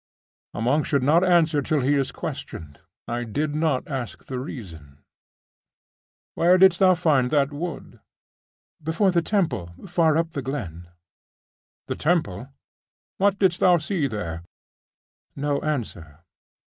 'A monk should not answer till he is questioned. I did not ask the reason. Where didst thou find that wood?' 'Before the temple, far up the glen.' 'The temple! What didst thou see there?' No answer.